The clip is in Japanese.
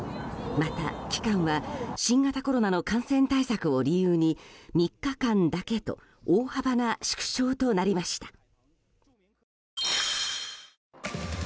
また、期間は新型コロナの感染対策を理由に３日間だけと大幅な縮小となりました。